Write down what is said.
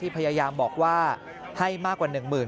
พยายามบอกว่าให้มากกว่า๑หมื่น